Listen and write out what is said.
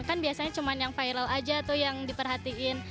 kan biasanya cuma yang viral saja atau yang diperhatikan